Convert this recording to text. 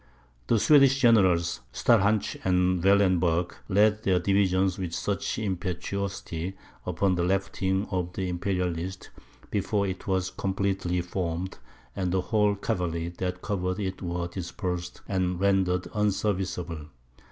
The Swedish generals, Stahlhantsch and Wellenberg, led their divisions with such impetuosity upon the left wing of the Imperialists, before it was completely formed, that the whole cavalry that covered it were dispersed and rendered unserviceable.